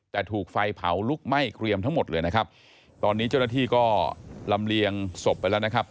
แต่ถูกไฟเผาลุกไหม้เกรียมทั้งหมดเลยนะครับตอนนี้เจ้าหน้าที่ก็ลำเลียงศพไปแล้วนะครับ